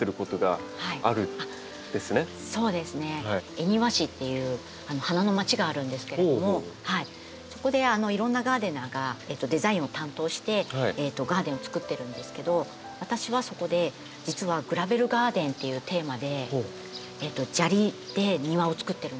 恵庭市っていう花の町があるんですけれどもそこでいろんなガーデナーがデザインを担当してガーデンをつくってるんですけど私はそこで実は「グラベルガーデン」っていうテーマで砂利で庭をつくってるんですよ。